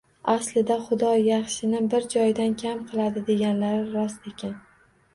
Aslida, xudo yaxshini bir joyidan kam qiladi deganlari rost ekan